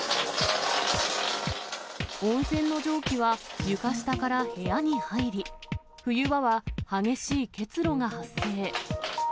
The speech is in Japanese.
温泉の蒸気は、床下から部屋に入り、冬場は激しい結露が発生。